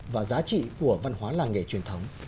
và giá trị của văn hóa làng nghề truyền thống